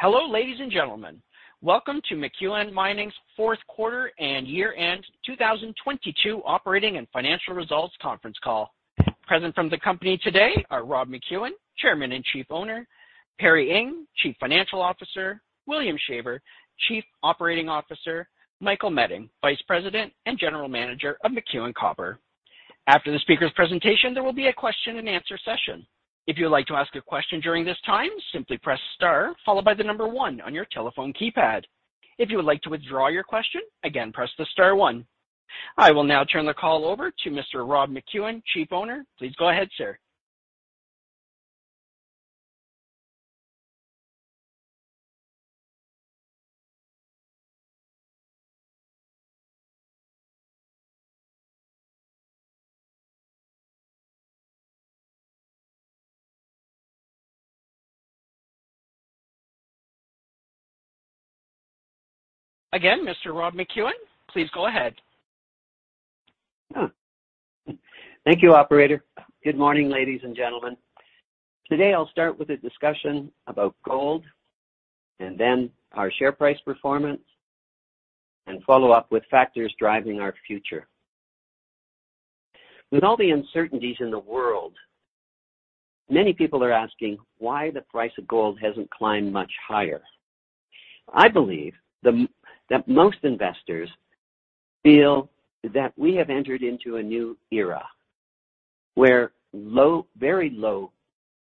Hello, ladies and gentlemen. Welcome to McEwen Mining's fourth quarter and year-end 2022 operating and financial results conference call. Present from the company today are Rob McEwen, Chairman and Chief Owner, Perry Ing, Chief Financial Officer, William Shaver, Chief Operating Officer, Michael Meding, Vice President and General Manager of McEwen Copper. After the speakers' presentation, there will be a question and answer session. If you would like to ask a question during this time, simply press star followed by one on your telephone keypad. If you would like to withdraw your question, again, press the star one. I will now turn the call over to Mr. Rob McEwen, Chief Owner. Please go ahead, sir. Again, Mr. Rob McEwen, please go ahead. Thank you, operator. Good morning, ladies and gentlemen. Today, I'll start with a discussion about gold and then our share price performance and follow up with factors driving our future. With all the uncertainties in the world, many people are asking why the price of gold hasn't climbed much higher. I believe that most investors feel that we have entered into a new era where low, very low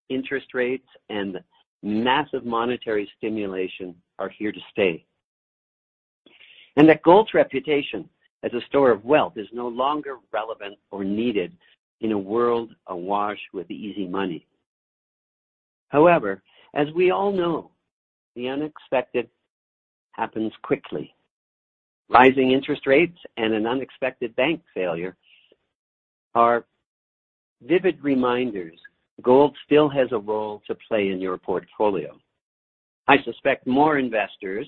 interest rates and massive monetary stimulation are here to stay. That gold's reputation as a store of wealth is no longer relevant or needed in a world awash with easy money. However, as we all know, the unexpected happens quickly. Rising interest rates and an unexpected bank failure are vivid reminders gold still has a role to play in your portfolio. I suspect more investors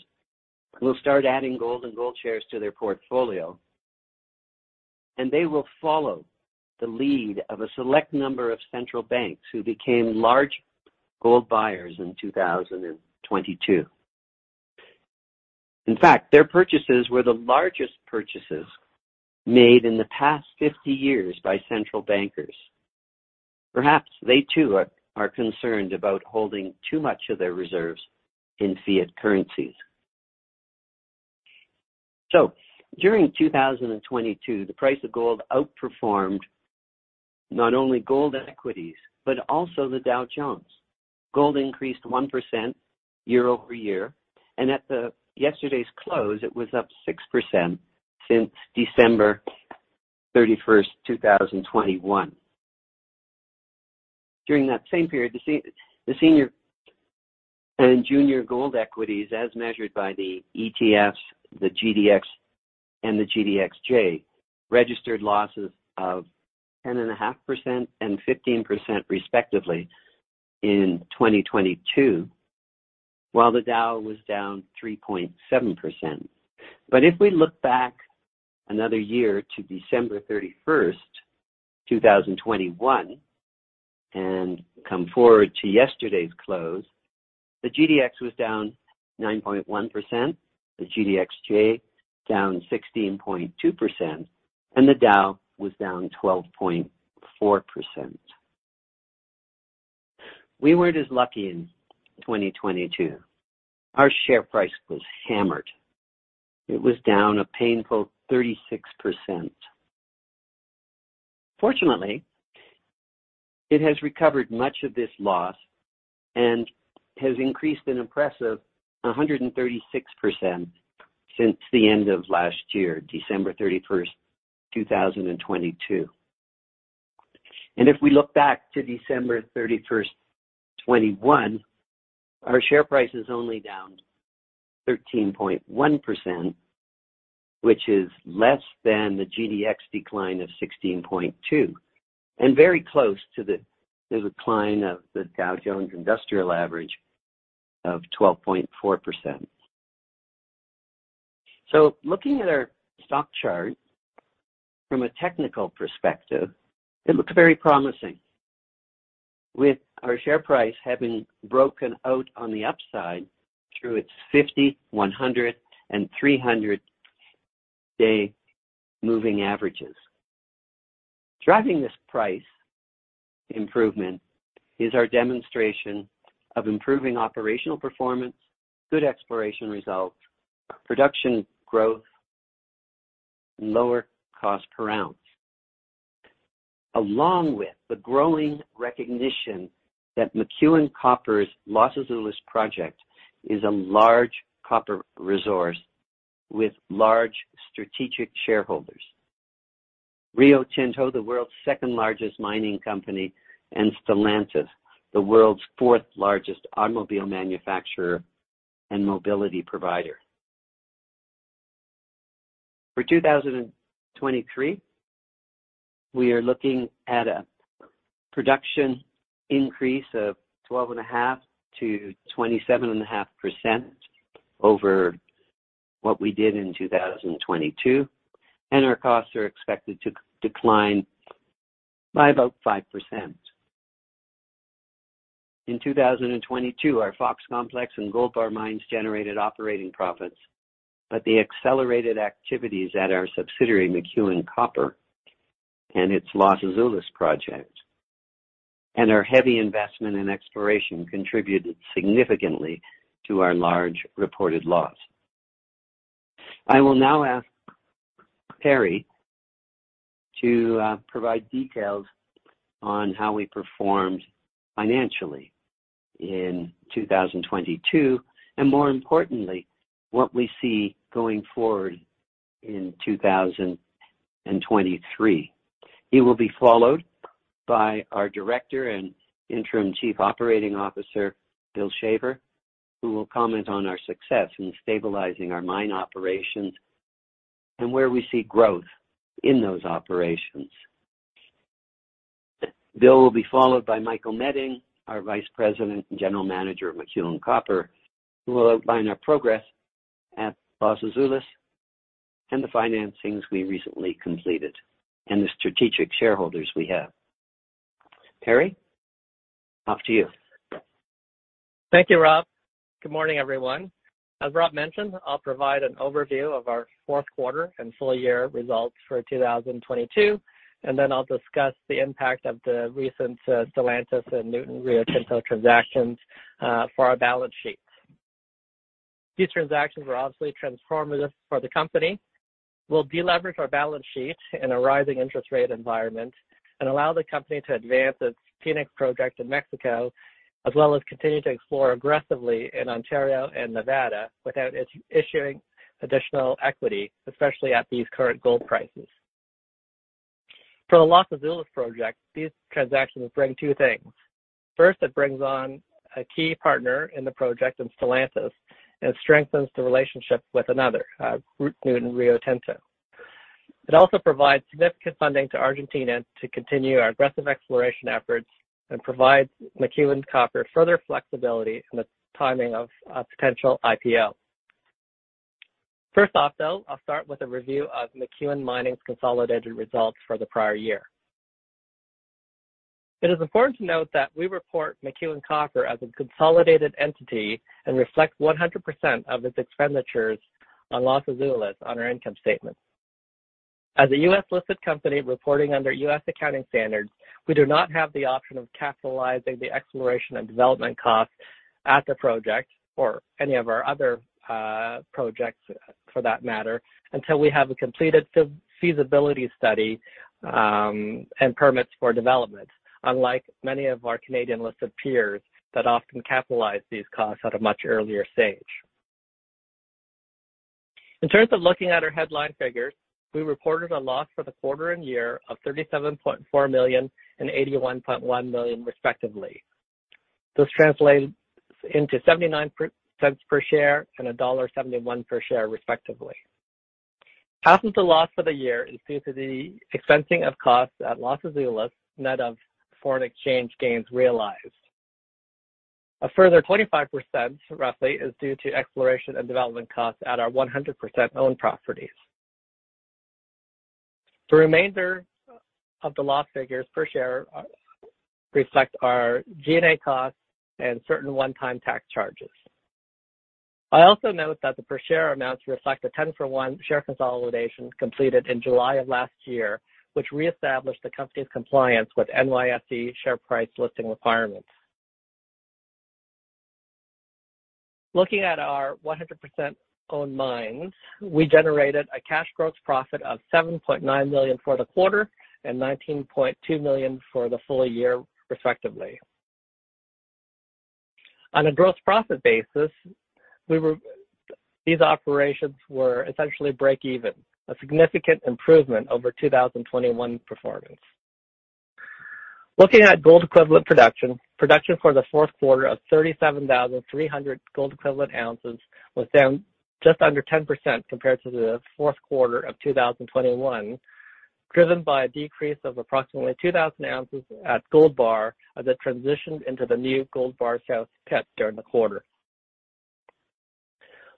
will start adding gold and gold shares to their portfolio, and they will follow the lead of a select number of central banks who became large gold buyers in 2022. In fact, their purchases were the largest purchases made in the past 50 years by central bankers. Perhaps they too are concerned about holding too much of their reserves in fiat currencies. During 2022, the price of gold outperformed not only gold equities, but also the Dow Jones. Gold increased 1% year-over-year, and at the yesterday's close, it was up 6% since December 31st, 2021. During that same period, the senior and junior gold equities, as measured by the ETFs, the GDX and the GDXJ, registered losses of 10.5% and 15% respectively in 2022, while the Dow was down 3.7%. If we look back another year to December 31, 2021 and come forward to yesterday's close, the GDX was down 9.1%, the GDXJ down 16.2%, and the Dow was down 12.4%. We weren't as lucky in 2022. Our share price was hammered. It was down a painful 36%. Fortunately, it has recovered much of this loss and has increased an impressive 136% since the end of last year, December 31st, 2022. If we look back to December 31st, 2021, our share price is only down 13.1%, which is less than the GDX decline of 16.2%, and very close to the decline of the Dow Jones Industrial Average of 12.4%. Looking at our stock chart from a technical perspective, it looks very promising. With our share price having broken out on the upside through its 50, 100, and 300 day moving averages. Driving this price improvement is our demonstration of improving operational performance, good exploration results, production growth, lower cost per ounce. Along with the growing recognition that McEwen Copper's Los Azules project is a large copper resource with large strategic shareholders. Rio Tinto, the world's second-largest mining company, and Stellantis, the world's fourth-largest automobile manufacturer and mobility provider. For 2023, we are looking at a production increase of 12.5% to 27.5% over what we did in 2022, and our costs are expected to decline by about 5%. In 2022, our Fox Complex and Gold Bar mines generated operating profits. The accelerated activities at our subsidiary, McEwen Copper, and its Los Azules project, and our heavy investment in exploration contributed significantly to our large reported loss. I will now ask Perry to provide details on how we performed financially in 2022, and more importantly, what we see going forward in 2023. He will be followed by our Director and Interim Chief Operating Officer, Bill Shaver, who will comment on our success in stabilizing our mine operations and where we see growth in those operations. Bill will be followed by Michael Meding, our Vice President and General Manager of McEwen Copper, who will outline our progress at Los Azules and the financings we recently completed and the strategic shareholders we have. Perry, off to you. Thank you, Rob. Good morning, everyone. As Rob mentioned, I'll provide an overview of our fourth quarter and full year results for 2022. Then I'll discuss the impact of the recent Stellantis and Nuton Rio Tinto transactions for our balance sheets. These transactions were obviously transformative for the company. We'll deleverage our balance sheet in a rising interest rate environment and allow the company to advance its Fenix project in Mexico, as well as continue to explore aggressively in Ontario and Nevada without issuing additional equity, especially at these current gold prices. For the Los Azules project, these transactions bring two things. First, it brings on a key partner in the project in Stellantis and strengthens the relationship with another group Nuton Rio Tinto. It also provides significant funding to Argentina to continue our aggressive exploration efforts and provide McEwen Copper further flexibility in the timing of a potential IPO. First off, though, I'll start with a review of .cEwen Mining's consolidated results for the prior year. It is important to note that we report McEwen Copper as a consolidated entity and reflect 100% of its expenditures on Los Azules on our income statement. As a U.S.-listed company reporting under U.S. accounting standards, we do not have the option of capitalizing the exploration and development costs at the project or any of our other projects for that matter, until we have a completed feasibility study and permits for development, unlike many of our Canadian-listed peers that often capitalize these costs at a much earlier stage. In terms of looking at our headline figures, we reported a loss for the quarter and year of $37.4 million and $81.1 million, respectively. This translates into 79 cents per share and $1.71 per share, respectively. Half of the loss for the year is due to the expensing of costs at Los Azules, net of foreign exchange gains realized. A further 25%, roughly, is due to exploration and development costs at our 100% owned properties. The remainder of the loss figures per share reflect our G&A costs and certain one-time tax charges. I also note that the per share amounts reflect the 10 for one share consolidation completed in July of last year, which reestablished the company's compliance with NYSE share price listing requirements. Looking at our 100% owned mines, we generated a cash gross profit of $7.9 million for the quarter and $19.2 million for the full year, respectively. On a gross profit basis, these operations were essentially breakeven, a significant improvement over 2021 performance. Looking at gold equivalent production for the fourth quarter of 37,300 gold equivalent ounces was down just under 10% compared to the fourth quarter of 2021, driven by a decrease of approximately 2,000 ounces at Gold Bar as it transitioned into the new Gold Bar South pit during the quarter.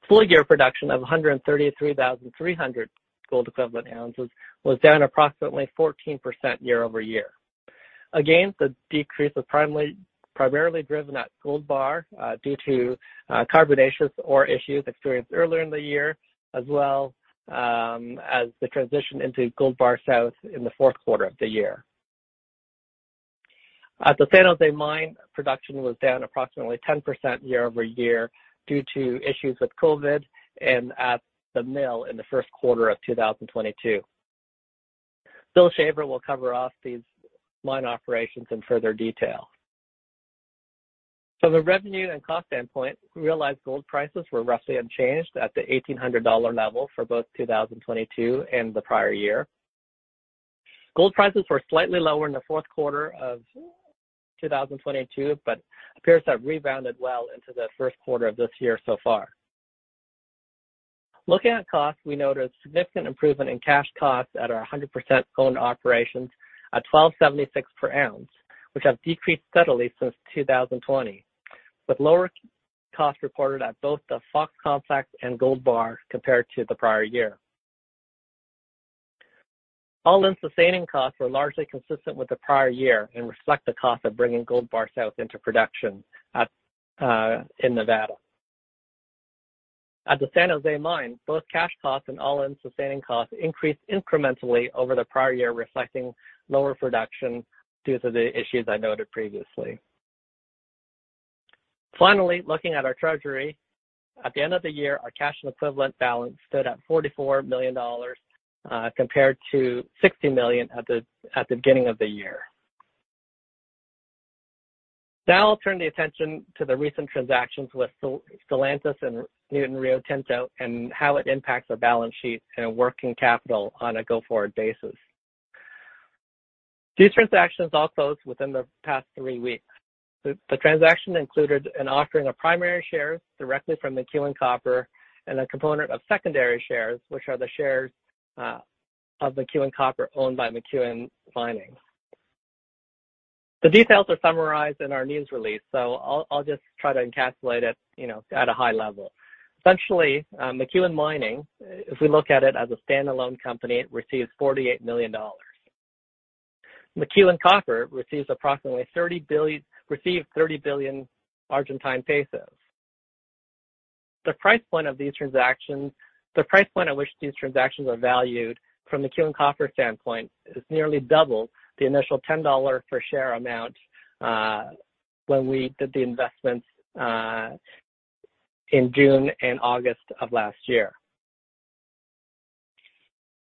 Full year production of 133,300 gold equivalent ounces was down approximately 14% year-over-year. The decrease was primarily driven at Gold Bar due to carbonaceous ore issues experienced earlier in the year as well as the transition into Gold Bar South in the fourth quarter of the year. At the San José mine, production was down approximately 10% year-over-year due to issues with COVID and at the mill in the first quarter of 2022. Bill Shaver will cover off these mine operations in further detail. From a revenue and cost standpoint, we realized gold prices were roughly unchanged at the $1,800 level for both 2022 and the prior year. Gold prices were slightly lower in the fourth quarter of 2022, appears to have rebounded well into the first quarter of this year so far. Looking at costs, we noted a significant improvement in cash costs at our 100% owned operations at $1,276 per ounce, which have decreased steadily since 2020, with lower cost reported at both the Fox Complex and Gold Bar compared to the prior year. All-in sustaining costs were largely consistent with the prior year and reflect the cost of bringing Gold Bar South into production in Nevada. At the San José Mine, both cash costs and All-in sustaining costs increased incrementally over the prior year, reflecting lower production due to the issues I noted previously. Finally, looking at our treasury. At the end of the year, our cash and equivalent balance stood at $44 million compared to $60 million at the beginning of the year. I'll turn the attention to the recent transactions with Stellantis and Newmont Rio Tinto and how it impacts our balance sheet and working capital on a go-forward basis. These transactions all closed within the past three weeks. The transaction included an offering of primary shares directly from McEwen Copper and a component of secondary shares, which are the shares of McEwen Copper owned by McEwen Mining. The details are summarized in our news release, so I'll just try to encapsulate it, you know, at a high level. Essentially, McEwen Mining, if we look at it as a standalone company, it receives $48 million. McEwen Copper received ARS 30 billion. The price point of these transactions, the price point at which these transactions are valued from McEwen Copper's standpoint is nearly double the initial $10 per share amount, when we did the investments in June and August of 2022.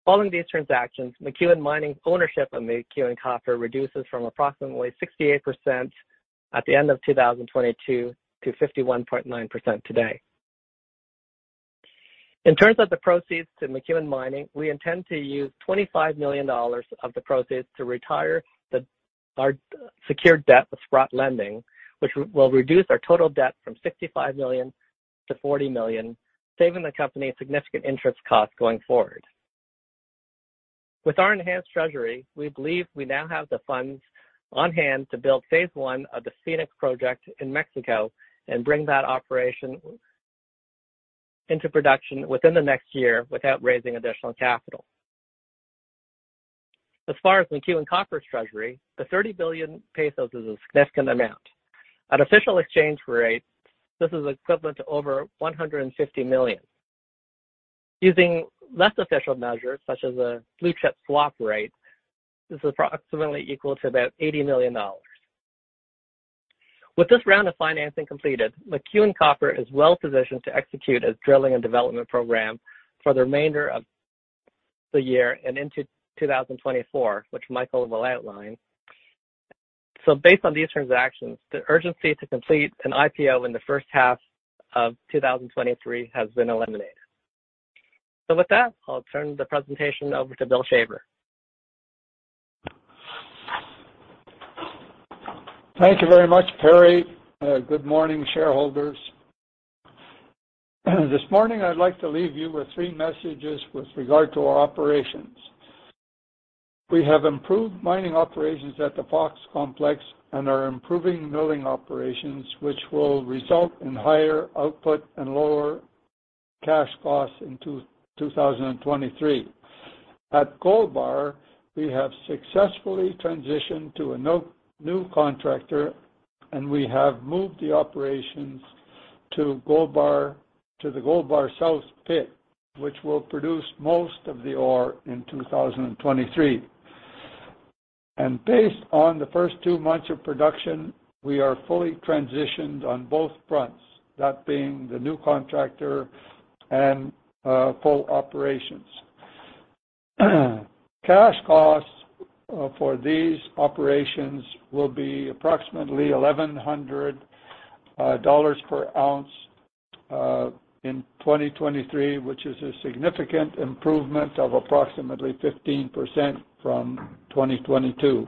Following these transactions, McEwen Mining's ownership of McEwen Copper reduces from approximately 68% at the end of 2022 to 51.9% today. In terms of the proceeds to McEwen Mining, we intend to use $25 million of the proceeds to retire our secured debt with Sprott Lending, which will reduce our total debt from $65 million to $40 million, saving the company significant interest costs going forward. With our enhanced treasury, we believe we now have the funds on-hand to build phase one of the Fenix project in Mexico and bring that operation into production within the next year without raising additional capital. As far as McEwen Copper's treasury, the 30 billion pesos is a significant amount. At official exchange rate, this is equivalent to over $150 million. Using less official measures, such as a Blue Chip Swap rate, this is approximately equal to about $80 million. With this round of financing completed, McEwen Copper is well-positioned to execute its drilling and development program for the remainder of the year and into 2024, which Michael will outline. Based on these transactions, the urgency to complete an IPO in the first half of 2023 has been eliminated. With that, I'll turn the presentation over to Bill Shaver. Thank you very much, Perry. Good morning, shareholders. This morning, I'd like to leave you with three messages with regard to our operations. We have improved mining operations at the Fox Complex and are improving milling operations, which will result in higher output and lower cash costs in 2023. At Gold Bar, we have successfully transitioned to a new contractor, and we have moved the operations to Gold Bar, to the Gold Bar South Pit, which will produce most of the ore in 2023. Based on the first two months of production, we are fully transitioned on both fronts, that being the new contractor and full operations. Cash costs for these operations will be approximately $1,100 per ounce in 2023, which is a significant improvement of approximately 15% from 2022.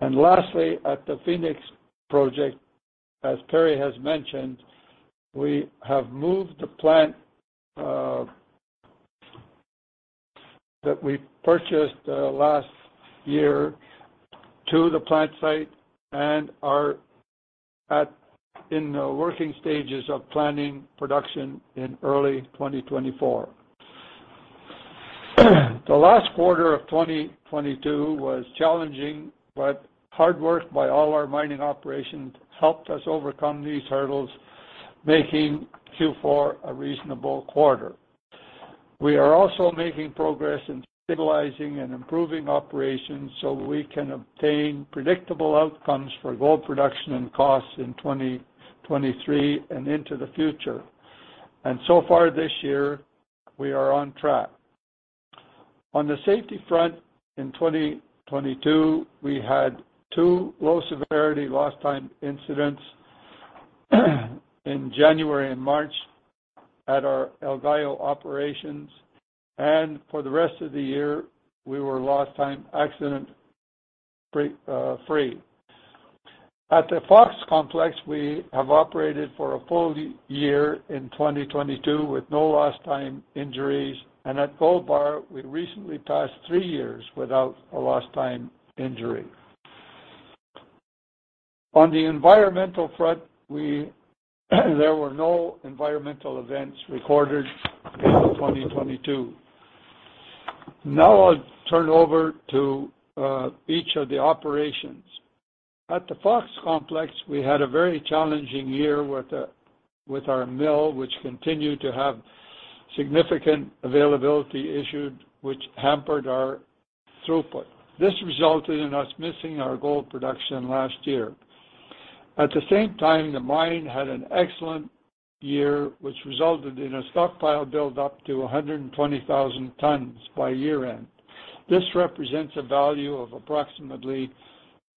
Lastly, at the Fenix project, as Perry has mentioned, we have moved the plant that we purchased last year to the plant site and are in the working stages of planning production in early 2024. The last quarter of 2022 was challenging, but hard work by all our mining operations helped us overcome these hurdles, making Q4 a reasonable quarter. We are also making progress in stabilizing and improving operations so we can obtain predictable outcomes for gold production and costs in 2023 and into the future. So far this year, we are on track. On the safety front, in 2022, we had two low-severity lost time incidents in January and March at our El Gallo operations. For the rest of the year, we were lost time accident free. At the Fox Complex, we have operated for a full year in 2022 with no lost time injuries. At Gold Bar, we recently passed three years without a lost time injury. On the environmental front, there were no environmental events recorded in 2022. Now I'll turn over to each of the operations. At the Fox Complex, we had a very challenging year with our mill, which continued to have significant availability issued which hampered our throughput. This resulted in us missing our gold production last year. At the same time, the mine had an excellent year, which resulted in a stockpile build up to 120,000 tons by year-end. This represents a value of approximately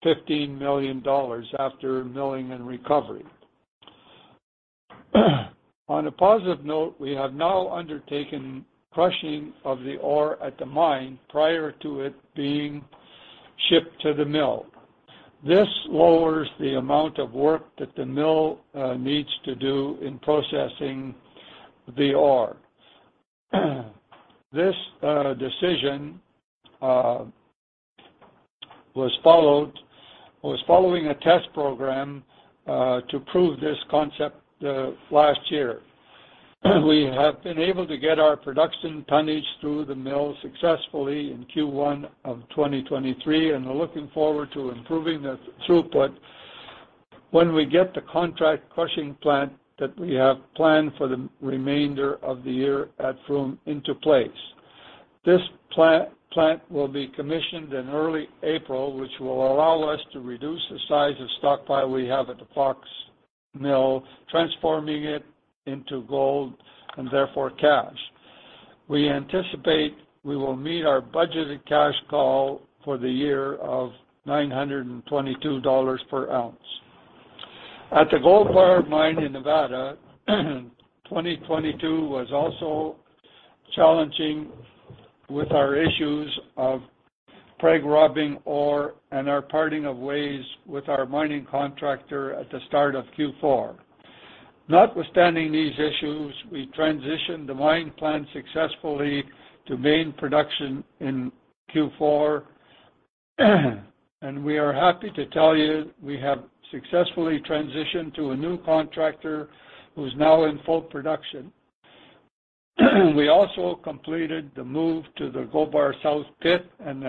$15 million after milling and recovery. On a positive note, we have now undertaken crushing of the ore at the mine prior to it being shipped to the mill. This lowers the amount of work that the mill needs to do in processing the ore. This decision was following a test program to prove this concept last year. We have been able to get our production tonnage through the mill successfully in Q1 of 2023, and we're looking forward to improving the throughput when we get the contract crushing plant that we have planned for the remainder of the year at Froome into place. This plant will be commissioned in early April, which will allow us to reduce the size of stockpile we have at the Fox mill, transforming it into gold and therefore cash. We anticipate we will meet our budgeted cash call for the year of $922 per ounce. At the Gold Bar Mine in Nevada, 2022 was also challenging with our issues of preg-robbing ore and our parting of ways with our mining contractor at the start of Q4. Notwithstanding these issues, we transitioned the mine plan successfully to main production in Q4. We are happy to tell you we have successfully transitioned to a new contractor who's now in full production. We also completed the move to the Gold Bar South pit and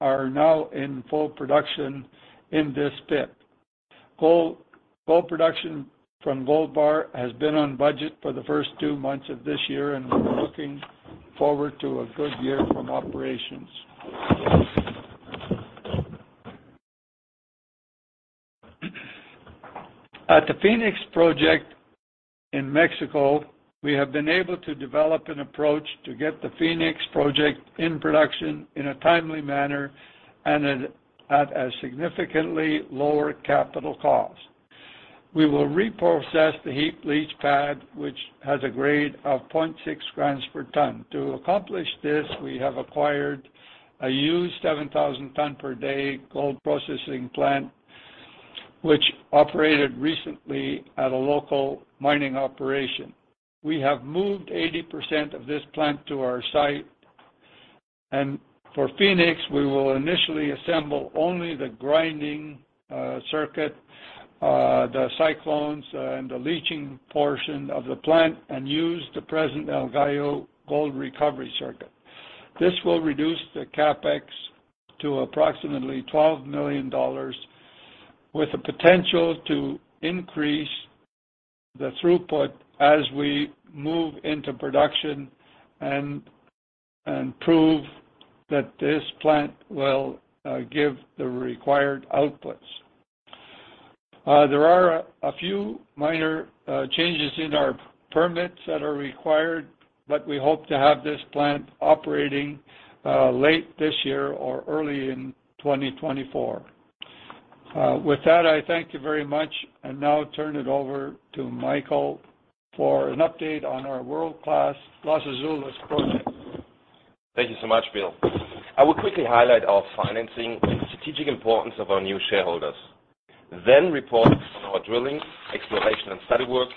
are now in full production in this pit. Gold production from Gold Bar has been on budget for the first two months of this year. We're looking forward to a good year from operations. At the Fenix project in Mexico, we have been able to develop an approach to get the Fenix project in production in a timely manner at a significantly lower capital cost. We will reprocess the heap leach pad, which has a grade of 0.6 grams per ton. To accomplish this, we have acquired a used 7,000 ton per day gold processing plant, which operated recently at a local mining operation. We have moved 80% of this plant to our site. For Fenix, we will initially assemble only the grinding circuit, the cyclones and the leaching portion of the plant and use the present El Gallo gold recovery circuit. This will reduce the CapEx to approximately $12 million with the potential to increase the throughput as we move into production and prove that this plant will give the required outputs. There are a few minor changes in our permits that are required. We hope to have this plant operating late this year or early in 2024. With that, I thank you very much and now turn it over to Michael for an update on our world-class Los Azules project. Thank you so much, Bill. I will quickly highlight our financing and strategic importance of our new shareholders, then report on our drilling, exploration and study work,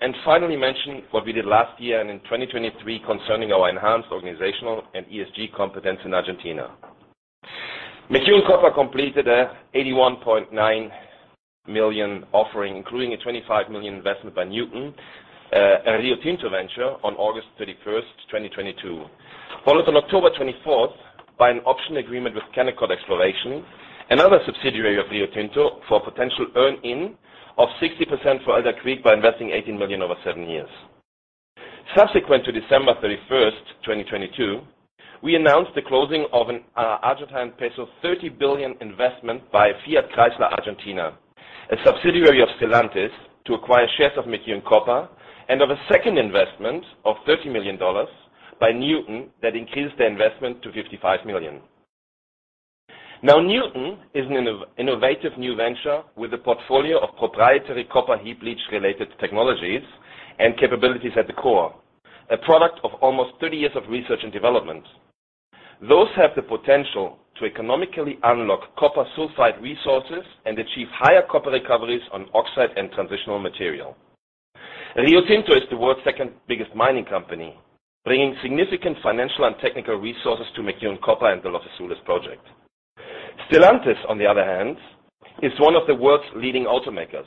and finally mention what we did last year and in 2023 concerning our enhanced organizational and ESG competence in Argentina. McEwen Copper completed a $81.9 million offering, including a $25 million investment by Nuton, a Rio Tinto venture on August 31st, 2022. Followed on October 24th by an option agreement with Kennecott Exploration, another subsidiary of Rio Tinto, for potential earn in of 60% for Elder Creek by investing $18 million over seven years. Subsequent to December 31st, 2022, we announced the closing of an Argentine peso 30 billion investment by Fiat Chrysler Argentina, a subsidiary of Stellantis, to acquire shares of McEwen Copper and of a second investment of $30 million by Nuton that increased their investment to $55 million. Nuton is an innovative new venture with a portfolio of proprietary copper heap leach related technologies and capabilities at the core, a product of almost 30 years of research and development. Those have the potential to economically unlock copper sulfide resources and achieve higher copper recoveries on oxide and transitional material. Rio Tinto is the world's second biggest mining company, bringing significant financial and technical resources to McEwen Copper and the Los Azules project. Stellantis, on the other hand, is one of the world's leading automakers.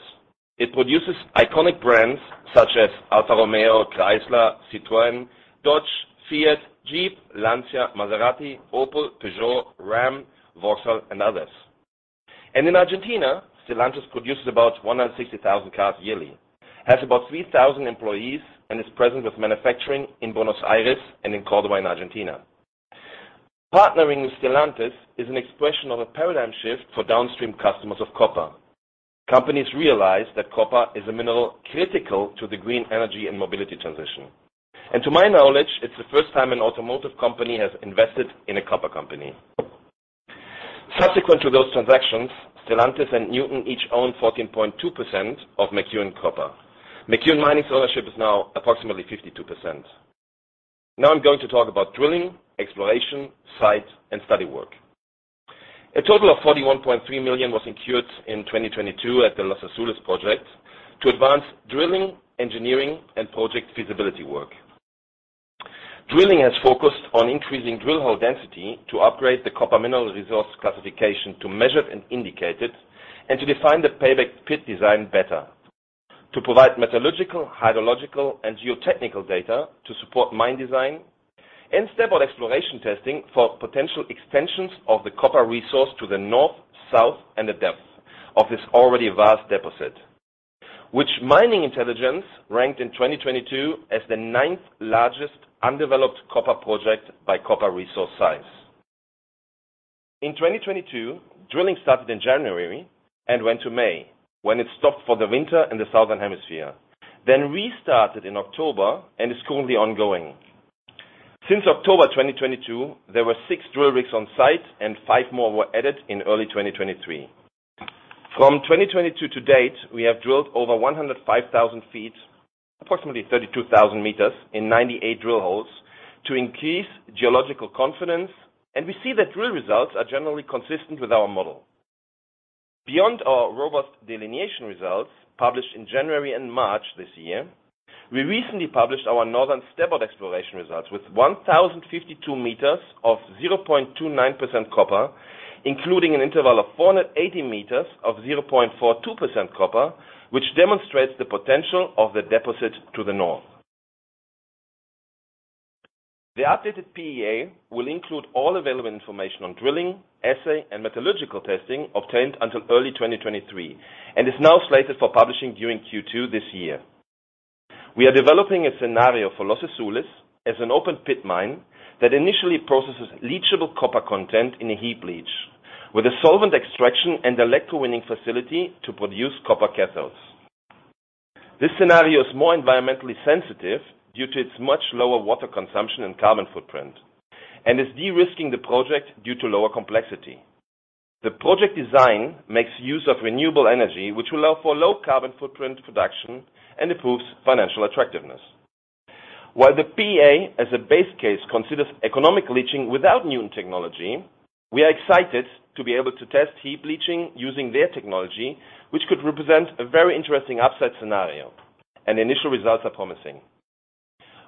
It produces iconic brands such as Alfa Romeo, Chrysler, Citroën, Dodge, Fiat, Jeep, Lancia, Maserati, Opel, Peugeot, RAM, Vauxhall, and others. In Argentina, Stellantis produces about 160,000 cars yearly, has about 3,000 employees, and is present with manufacturing in Buenos Aires and in Córdoba in Argentina. Partnering with Stellantis is an expression of a paradigm shift for downstream customers of copper. Companies realize that copper is a mineral critical to the green energy and mobility transition. To my knowledge, it's the first time an automotive company has invested in a copper company. Subsequent to those transactions, Stellantis and Nuton each own 14.2% of McEwen Copper. McEwen Mining's ownership is now approximately 52%. I'm going to talk about drilling, exploration, site, and study work. A total of $41.3 million was incurred in 2022 at the Los Azules project to advance drilling, engineering, and project feasibility work. Drilling has focused on increasing drill hole density to upgrade the copper mineral resource classification to measured and indicated, and to define the payback pit design better to provide metallurgical, hydrological, and geotechnical data to support mine design and stable exploration testing for potential extensions of the copper resource to the north, south, and the depth of this already vast deposit, which Mining Intelligence ranked in 2022 as the ninth-largest undeveloped copper project by copper resource size. In 2022, drilling started in January and went to May, when it stopped for the winter in the Southern Hemisphere, restarted in October and is currently ongoing. Since October 2022, there were six drill rigs on-site, and five more were added in early 2023. From 2022 to date, we have drilled over 105,000 feet, approximately 32,000 meters in 98 drill holes to increase geological confidence, and we see that drill results are generally consistent with our model. Beyond our robust delineation results published in January and March this year, we recently published our Northern Stabat exploration results with 1,052 meters of 0.29% copper, including an interval of 480 meters of 0.42% copper, which demonstrates the potential of the deposit to the north. The updated PEA will include all available information on drilling, assay, and metallurgical testing obtained until early 2023 and is now slated for publishing during Q2 this year. We are developing a scenario for Los Azules as an open-pit mine that initially processes leachable copper content in a heap leach with a solvent extraction and electrowinning facility to produce copper cathodes. This scenario is more environmentally sensitive due to its much lower water consumption and carbon footprint and is de-risking the project due to lower complexity. The project design makes use of renewable energy, which will allow for low carbon footprint production and improves financial attractiveness. While the PEA as a base case considers economic leaching without Nuton technology, we are excited to be able to test heap leaching using their technology, which could represent a very interesting upside scenario, and initial results are promising.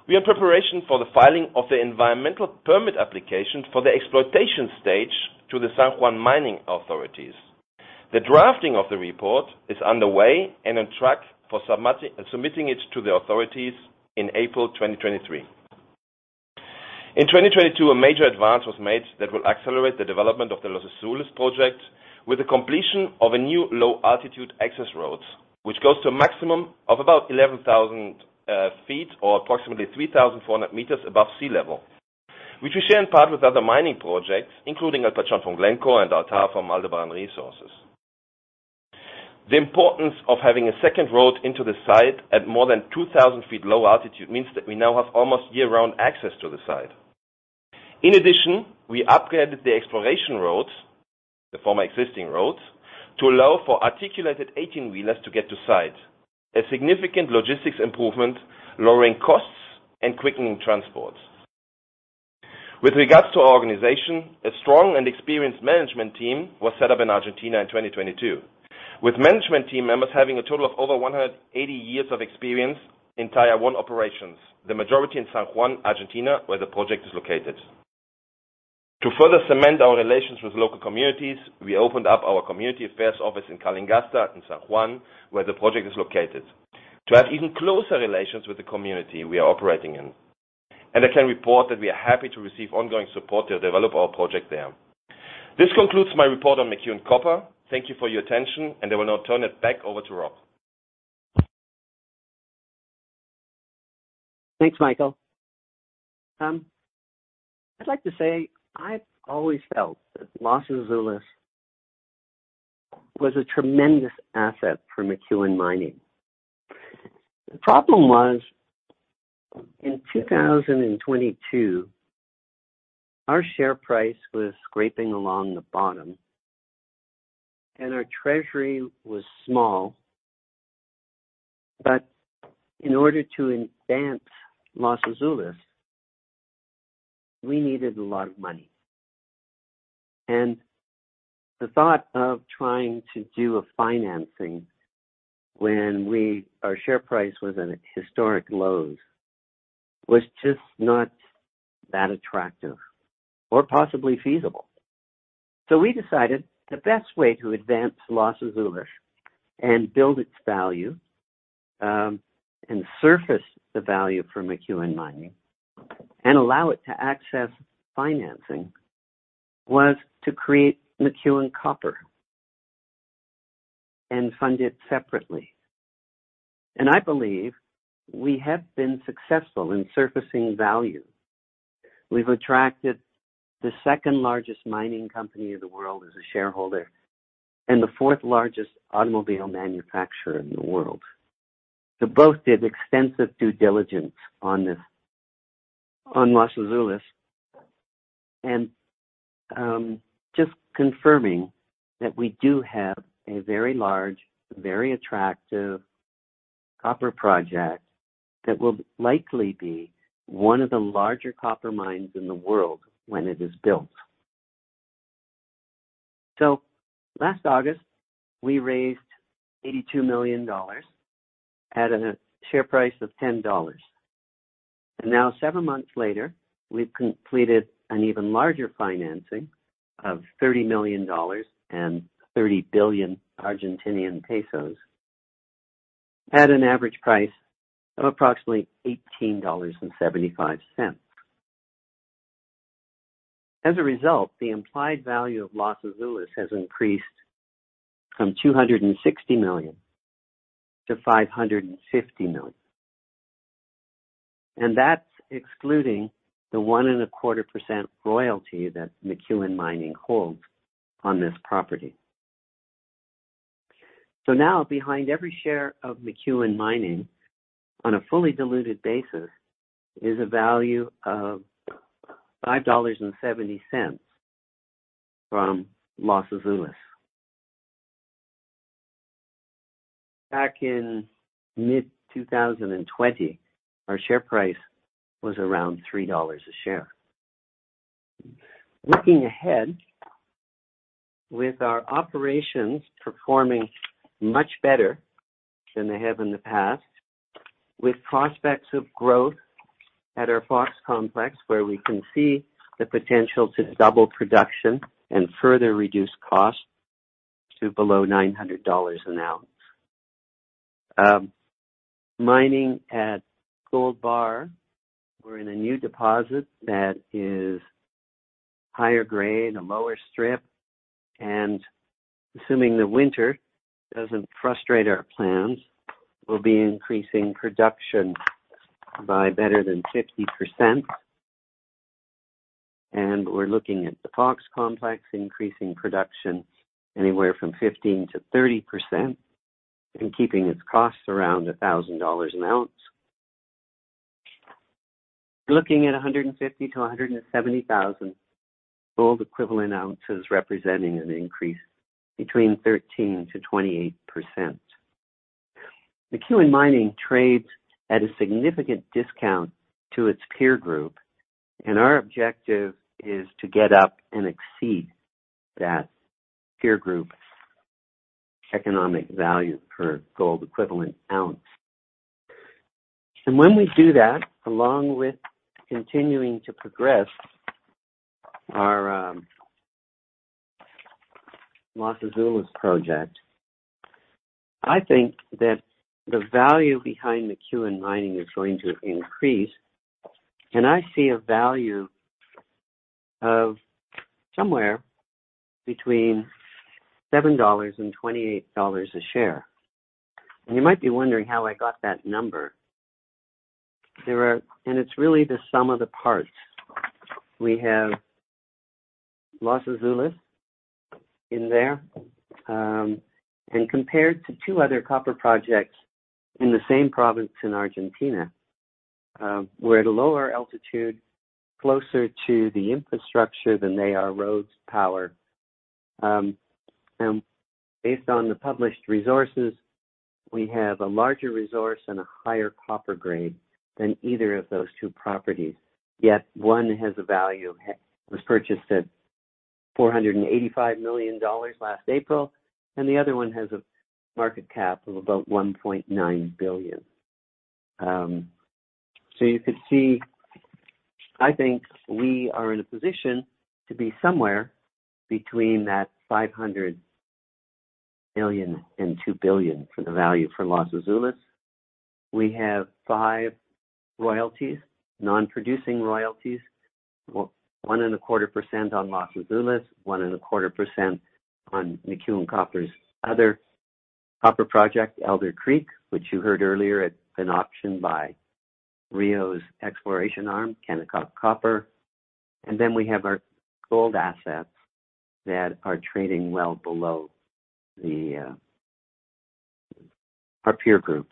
We are in preparation for the filing of the environmental permit application for the exploitation stage to the San Juan Mining authorities. The drafting of the report is underway and on track for submitting it to the authorities in April 2023. In 2022, a major advance was made that will accelerate the development of the Los Azules project with the completion of a new low altitude access roads, which goes to a maximum of about 11,000 feet or approximately 3,400 meters above sea level, which we share in part with other mining projects, including Altar from Glencore and Altar from Aldebaran Resources. The importance of having a second road into the site at more than 2,000 feet low altitude means that we now have almost year-round access to the site. In addition, we upgraded the exploration roads, the former existing roads, to allow for articulated 18-wheelers to get to site, a significant logistics improvement, lowering costs and quickening transport. With regards to our organization, a strong and experienced management team was set up in Argentina in 2022, with management team members having a total of over 180 years of experience in Tier 1 operations, the majority in San Juan, Argentina, where the project is located. To further cement our relations with local communities, we opened up our community affairs office in Calingasta in San Juan where the project is located to have even closer relations with the community we are operating in. I can report that we are happy to receive ongoing support to develop our project there. This concludes my report on McEwen Copper. Thank you for your attention, and I will now turn it back over to Rob. Thanks, Michael. I'd like to say I've always felt that Los Azules was a tremendous asset for McEwen Mining. The problem was, in 2022, our share price was scraping along the bottom, and our treasury was small. In order to advance Los Azules, we needed a lot of money. The thought of trying to do a financing when our share price was at historic lows, was just not that attractive or possibly feasible. We decided the best way to advance Los Azules and build its value, and surface the value for McEwen Mining, and allow it to access financing, was to create McEwen Copper, and fund it separately. I believe we have been successful in surfacing value. We've attracted the second-largest mining company in the world as a shareholder, and the fourth-largest automobile manufacturer in the world. They both did extensive due diligence on this, on Los Azules, and just confirming that we do have a very large, very attractive copper project that will likely be one of the larger copper mines in the world when it is built. Last August, we raised $82 million at a share price of $10. Now seven months later, we've completed an even larger financing of $30 million and 30 billion pesos at an average price of approximately $18.75. As a result, the implied value of Los Azules has increased from $260 million to $550 million. That's excluding the 1.25% royalty that McEwen Mining holds on this property. Now behind every share of McEwen Mining on a fully diluted basis is a value of $5.70 from Los Azules. Back in mid-2020, our share price was around $3 a share. Looking ahead, with our operations performing much better than they have in the past, with prospects of growth at our Fox Complex, where we can see the potential to double production and further reduce costs to below $900 an ounce. Mining at Gold Bar, we're in a new deposit that is higher grade, a lower strip, and assuming the winter doesn't frustrate our plans, we'll be increasing production by better than 50%. We're looking at the Fox Complex increasing production anywhere from 15%-30% and keeping its costs around $1,000 an ounce. Looking at 150,000 to 170,000 gold equivalent ounces, representing an increase between 13%-28%. McEwen Mining trades at a significant discount to its peer group, our objective is to get up and exceed that peer group's economic value per gold equivalent ounce. When we do that, along with continuing to progress our Los Azules project, I think that the value behind McEwen Mining is going to increase, and I see a value of somewhere between $7 and $28 a share. You might be wondering how I got that number. It's really the sum of the parts. We have Los Azules in there. Compared to two other copper projects in the same province in Argentina, we're at a lower altitude, closer to the infrastructure than they are, roads, power. Based on the published resources, we have a larger resource and a higher copper grade than either of those two properties. Yet, one has a value, was purchased at $485 million last April, and the other one has a market cap of about $1.9 billion. You could see, I think we are in a position to be somewhere between that $500 million and $2 billion for the value for Los Azules. We have five royalties, non-producing royalties. 1.25% on Los Azules, 1.25% on McEwen Copper's other copper project, Elder Creek, which you heard earlier has been optioned by Rio's exploration arm, Kennecott Exploration. Then we have our gold assets that are trading well below our peer group.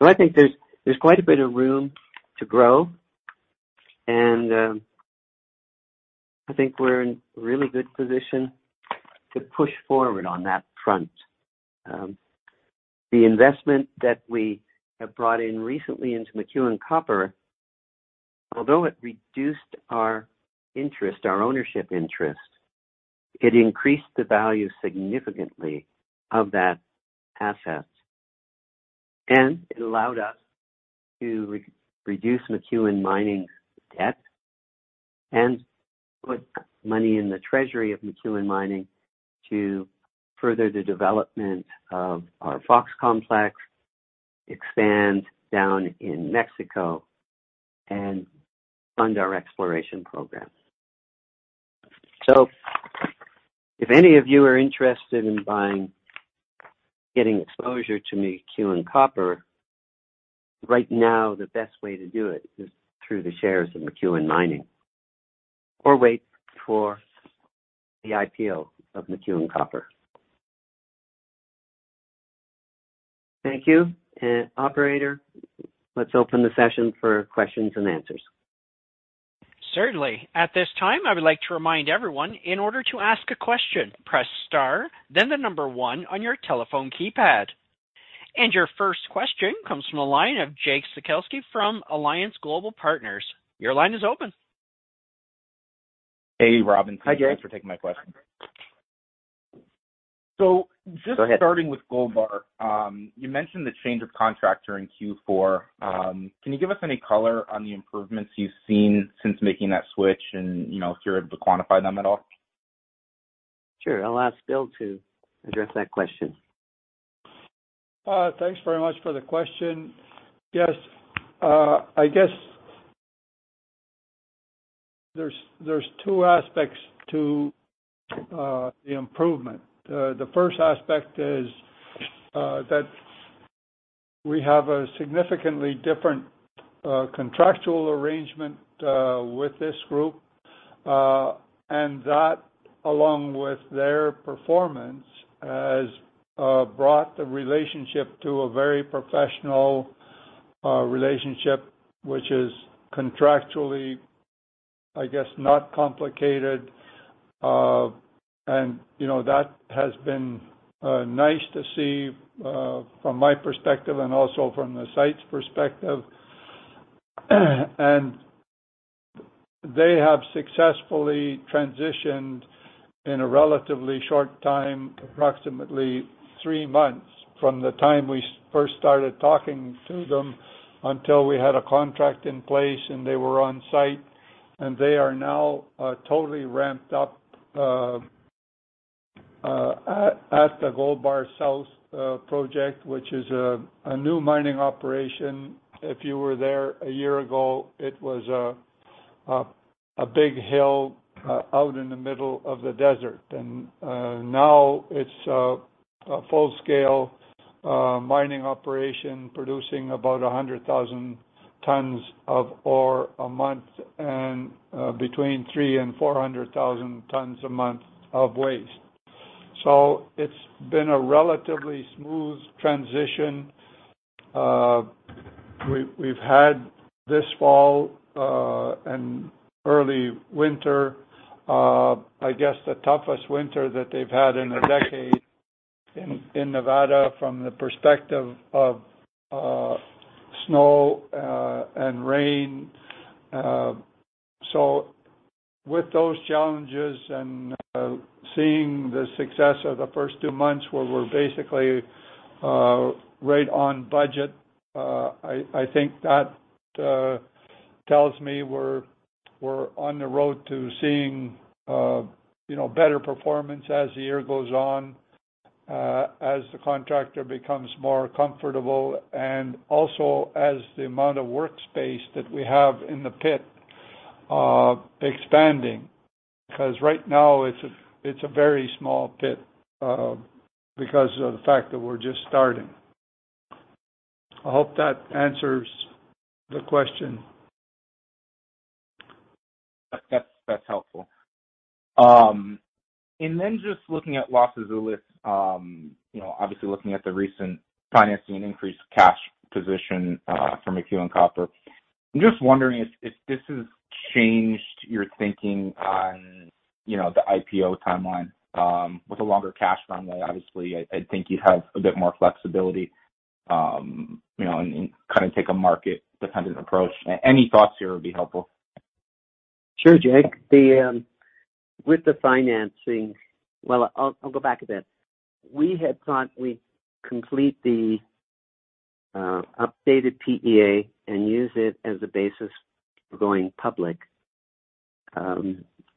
I think there's quite a bit of room to grow and I think we're in really good position to push forward on that front. The investment that we have brought in recently into McEwen Copper, although it reduced our interest, our ownership interest, it increased the value significantly of that asset. It allowed us to re-reduce McEwen Mining's debt and put money in the treasury of McEwen Mining to further the development of our Fox Complex, expand down in Mexico, and fund our exploration program. If any of you are interested in buying, getting exposure to McEwen Copper, right now, the best way to do it is through the shares of McEwen Mining, or wait for the IPO of McEwen Copper. Thank you. Operator, let's open the session for questions and answers. Certainly. At this time, I would like to remind everyone, in order to ask a question, press star, then the number one on your telephone keypad. Your first question comes from the line of Jake Sekelsky from Alliance Global Partners. Your line is open. Hey, Robin. Hi, Jake. Thanks for taking my question. Go ahead. Starting with Gold Bar, you mentioned the change of contractor in Q4. Can you give us any color on the improvements you've seen since making that switch? You know, if you're able to quantify them at all? Sure. I'll ask Bill to address that question. Thanks very much for the question. Yes. I guess there's two aspects to the improvement. The first aspect is that we have a significantly different contractual arrangement with this group, and that, along with their performance, has brought the relationship to a very professional relationship, which is contractually, I guess, not complicated. You know, that has been nice to see from my perspective and also from the site's perspective. They have successfully transitioned in a relatively short time, approximately 3 months from the time we first started talking to them until we had a contract in place and they were on site. They are now totally ramped up at the Gold Bar South Project, which is a new mining operation. If you were there a year ago, it was a big hill out in the middle of the desert. Now it's a full-scale mining operation producing about 100,000 tons of ore a month and between 300,000 and 400,000 tons a month of waste. It's been a relatively smooth transition. We've had this fall and early winter, I guess the toughest winter that they've had in a decade in Nevada from the perspective of snow and rain. With those challenges and seeing the success of the first 2 months where we're basically, right on budget, I think that tells me we're on the road to seeing, you know, better performance as the year goes on, as the contractor becomes more comfortable and also as the amount of workspace that we have in the pit, expanding. Right now it's a very small pit, because of the fact that we're just starting. I hope that answers the question. That's helpful. Just looking at Los Azules, you know, obviously looking at the recent financing and increased cash position from McEwen Copper. I'm just wondering if this has changed your thinking on, you know, the IPO timeline. With a longer cash runway, obviously I think you'd have a bit more flexibility, you know, and kinda take a market-dependent approach. Any thoughts here would be helpful. Sure, Jake. With the financing. Well, I'll go back a bit. We had thought we'd complete the updated PEA and use it as the basis for going public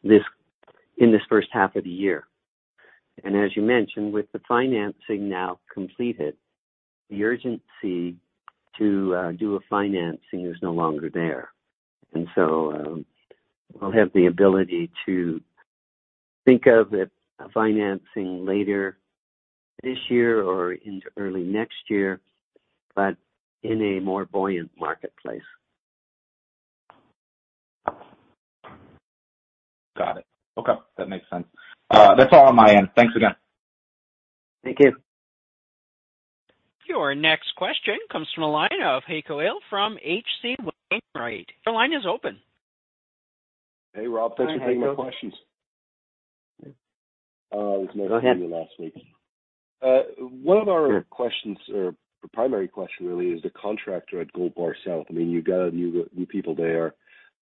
this, in this first half of the year. As you mentioned, with the financing now completed, the urgency to do a financing is no longer there. We'll have the ability to think of a financing later this year or into early next year, but in a more buoyant marketplace. Got it. Okay. That makes sense. That's all on my end. Thanks again. Thank you. Your next question comes from the line of Heiko Ihle from H.C. Wainwright. Your line is open. Hey, Rob. Thanks for taking my questions. Hi, Heiko. It was nice talking to you last week. Go ahead. One of our questions or the primary question really is the contractor at Gold Bar South. I mean, you got a new people there.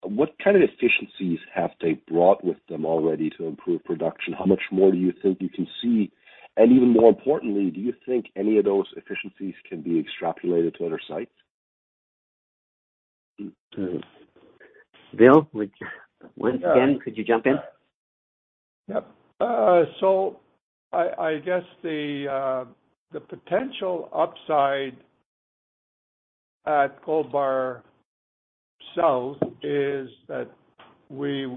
What kind of efficiencies have they brought with them already to improve production? How much more do you think you can see? Even more importantly, do you think any of those efficiencies can be extrapolated to other sites? Bill, once again, could you jump in? Yep. I guess the potential upside at Gold Bar South is that we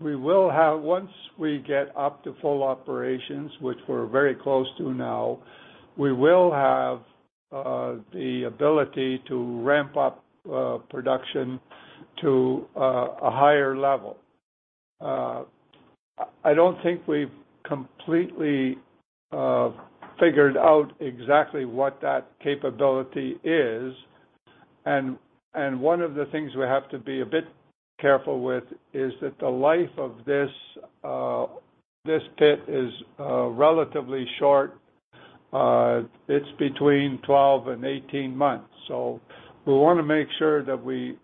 will have. Once we get up to full operations, which we're very close to now, we will have the ability to ramp up production to a higher level. I don't think we've completely figured out exactly what that capability is and one of the things we have to be a bit careful with is that the life of this pit is relatively short. It's between 12 and 18 months. We wanna make sure that we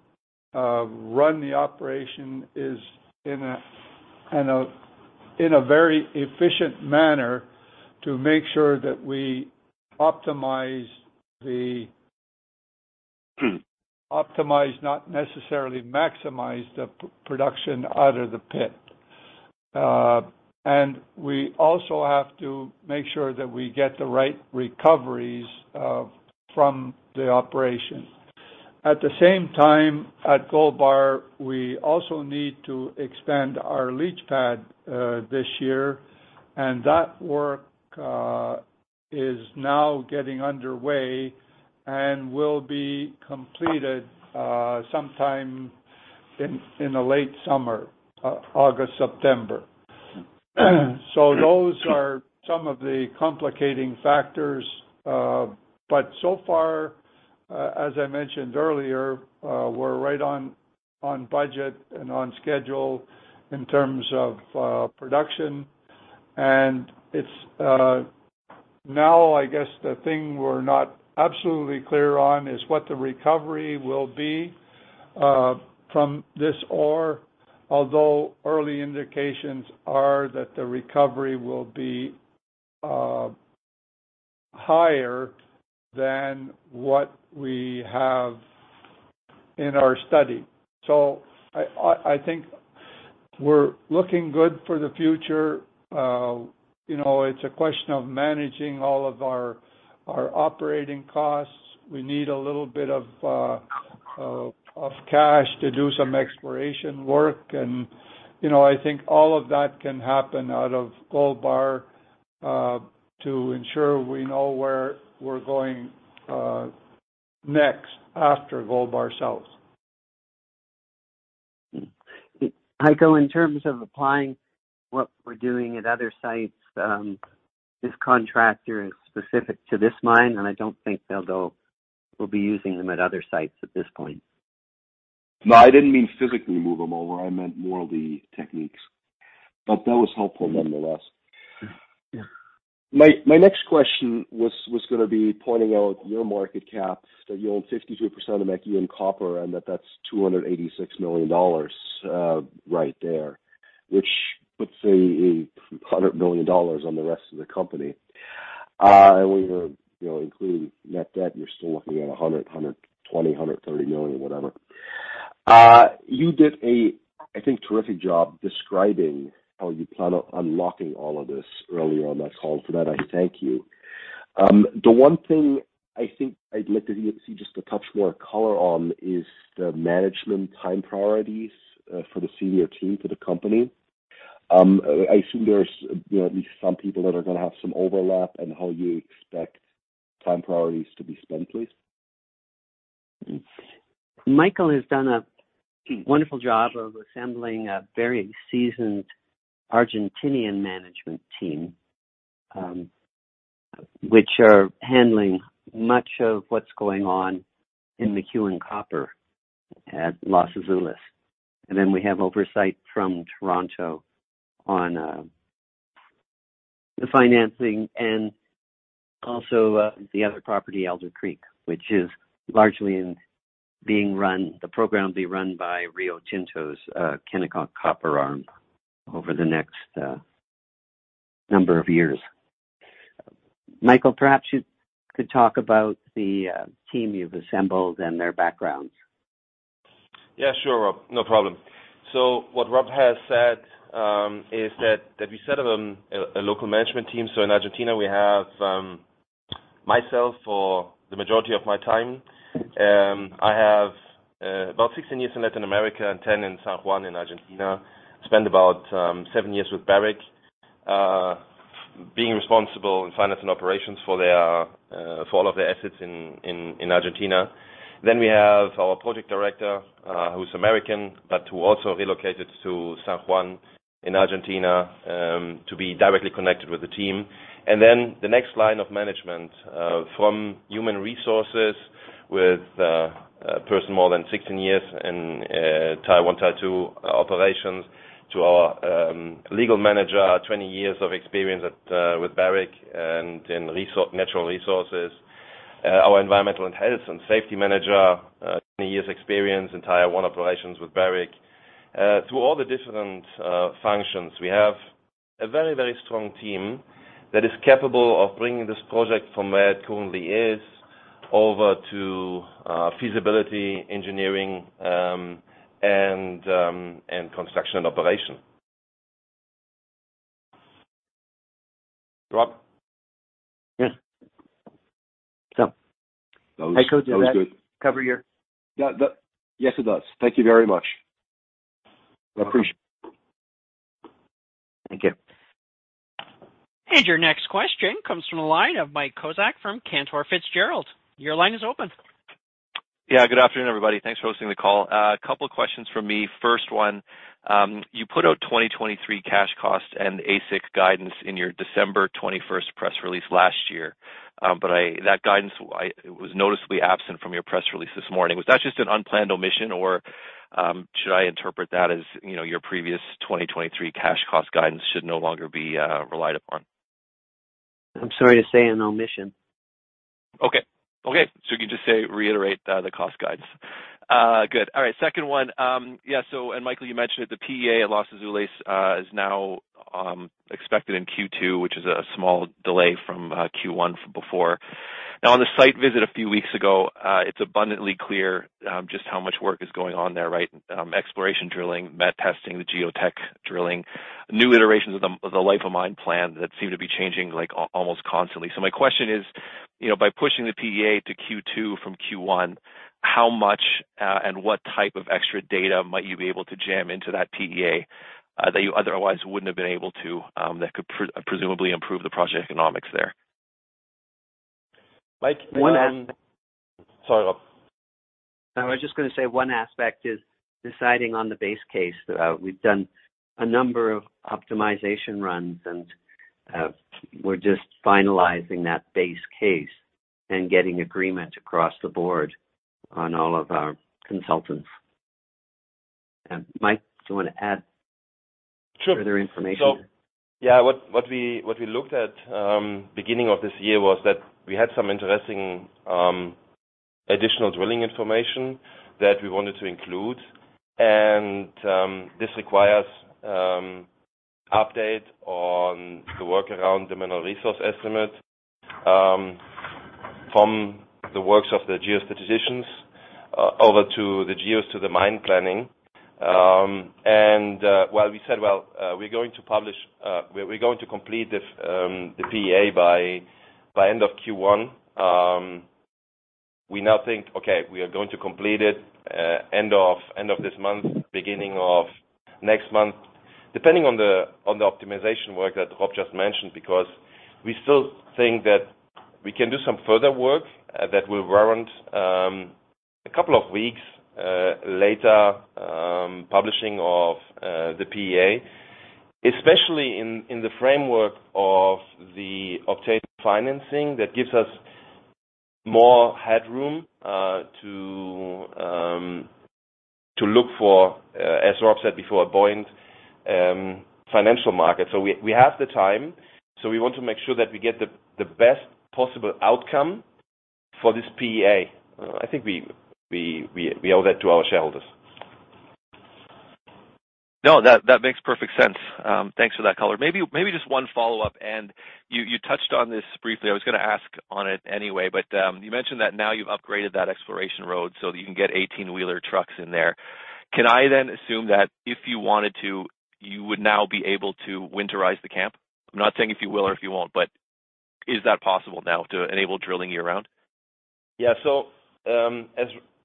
run the operation is in a very efficient manner to make sure that we optimize, not necessarily maximize the production out of the pit. We also have to make sure that we get the right recoveries from the operation. At the same time, at Gold Bar, we also need to expand our leach pad this year, and that work is now getting underway and will be completed sometime in the late summer, August, September. Those are some of the complicating factors. So far, as I mentioned earlier, we're right on budget and on schedule in terms of production. It's... now I guess the thing we're not absolutely clear on is what the recovery will be from this ore. Although early indications are that the recovery will be higher than what we have in our study. I think we're looking good for the future. You know, it's a question of managing all of our operating costs. We need a little bit of cash to do some exploration work. You know, I think all of that can happen out of Gold Bar to ensure we know where we're going next after Gold Bar South. Heiko, in terms of applying what we're doing at other sites, this contractor is specific to this mine. I don't think we'll be using them at other sites at this point. No, I didn't mean physically move them over. I meant more of the techniques, but that was helpful nonetheless. Yeah. My next question was gonna be pointing out your market cap, that you own 52% of McEwen Copper, and that that's $286 million right there, which puts $100 million on the rest of the company. When you know, include net debt, you're still looking at $100 million, $120 million, $130 million, whatever. You did a, I think, terrific job describing how you plan on unlocking all of this early on that call. For that, I thank you. The one thing I think I'd like to see just a touch more color on is the management time priorities for the senior team, for the company. I assume there's, you know, at least some people that are gonna have some overlap and how you expect time priorities to be spent, please. Michael has done a wonderful job of assembling a very seasoned Argentinian management team, which are handling much of what's going on in McEwen Copper at Los Azules. We have oversight from Toronto on the financing and also the other property, Elder Creek, which is largely in being run, the program being run by Rio Tinto's Kennecott Copper arm over the next number of years. Michael, perhaps you could talk about the team you've assembled and their backgrounds. Yeah, sure, Rob. No problem. What Rob has said, is that we set up a local management team. In Argentina, we have myself for the majority of my time. I have about 16 years in Latin America and 10 in San Juan in Argentina. Spent about 7 years with Barrick, being responsible in finance and operations for their for all of their assets in Argentina. We have our project director, who's American, but who also relocated to San Juan in Argentina, to be directly connected with the team. The next line of management, from human resourcesWith a person more than 16 years in Tier 1, Tier 2 operations to our legal manager, 20 years of experience with Barrick and in natural resources. Our environmental and health and safety manager, 20 years experience in Tier 1 operations with Barrick. Through all the different functions, we have a very, very strong team that is capable of bringing this project from where it currently is over to feasibility, engineering, and construction operation. Rob? Yes. That was good. I hope that cover your... Yes, it does. Thank you very much. I appreciate. Thank you. Your next question comes from the line of Mike Kozak from Cantor Fitzgerald. Your line is open. Yeah, good afternoon, everybody. Thanks for hosting the call. A couple of questions from me. First one, you put out 2023 cash cost and AISC guidance in your December 21st press release last year. That guidance it was noticeably absent from your press release this morning. Was that just an unplanned omission, or should I interpret that as, you know, your previous 2023 cash cost guidance should no longer be relied upon? I'm sorry to say an omission. Okay. Okay. You can just say reiterate the cost guidance. Good. All right. Second one. Michael, you mentioned the PEA at Los Azules is now expected in Q2, which is a small delay from Q1 before. Now, on the site visit a few weeks ago, it's abundantly clear just how much work is going on there, right? Exploration drilling, met testing, the geotech drilling, new iterations of the, of the life of mine plan that seem to be changing like almost constantly. My question is, you know, by pushing the PEA to Q2 from Q1, how much and what type of extra data might you be able to jam into that PEA that you otherwise wouldn't have been able to, that could presumably improve the project economics there? Mike. And then. Sorry, Rob. I was just gonna say one aspect is deciding on the base case. We've done a number of optimization runs, we're just finalizing that base case and getting agreement across the board on all of our consultants. Mike, do you wanna add? Sure. Further information? Yeah, what we looked at, beginning of this year, was that we had some interesting additional drilling information that we wanted to include. This requires update on the work around the mineral resource estimate from the works of the geostatisticians over to the geos to the mine planning. Well, we said, well, we're going to publish, we're going to complete this, the PE A by end of Q1. We now think, okay, we are going to complete it end of this month, beginning of next month, depending on the optimization work that Rob just mentioned, because we still think that we can do some further work that will warrant a couple of weeks later publishing of the PEA, especially in the framework of the obtained financing that gives us more headroom to look for, as Rob said before, buoyant financial markets. We have the time, so we want to make sure that we get the best possible outcome for this PEA. I think we owe that to our shareholders. No, that makes perfect sense. Thanks for that color. Maybe, maybe just one follow-up, and you touched on this briefly. I was gonna ask on it anyway, but you mentioned that now you've upgraded that exploration road so that you can get 18-wheeler trucks in there. Can I then assume that if you wanted to, you would now be able to winterize the camp? I'm not saying if you will or if you won't, but is that possible now to enable drilling year-round? Yeah.